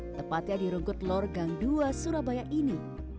tepatnya di rungkut lor gang dua surabaya ini